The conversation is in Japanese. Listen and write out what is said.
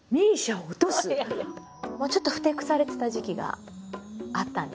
ちょっとふてくされてた時期があったんですね。